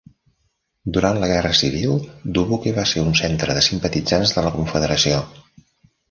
Durant la Guerra Civil, Dubuque va ser un centre de simpatitzants de la confederació.